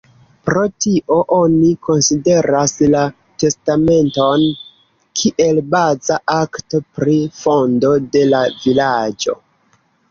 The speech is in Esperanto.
Pro tio oni konsideras la testamenton kiel baza akto pri fondo de la vilaĝo.